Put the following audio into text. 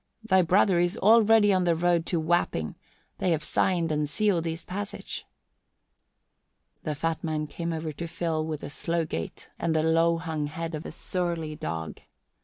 Thy brother is already on the road to Wapping they have signed and sealed his passage." The fat man came to Phil with the slow gait and the low hung head of a surly dog.